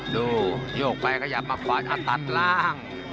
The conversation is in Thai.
ดูโยกไปขยะมาขวาอาตารล้าง